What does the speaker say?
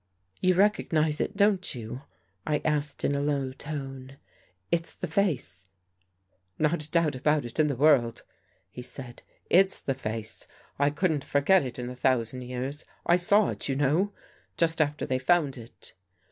" You recognize it, don't you? " I asked in a low voice. " It's the face .." Not a doubt about it in the world," he said. " It's the face. I couldn't forget it in a thousand years. I saw it, you know. Just after they found it."